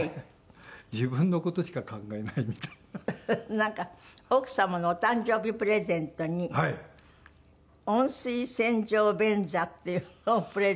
なんか奥様のお誕生日プレゼントに温水洗浄便座っていうのをプレゼントした。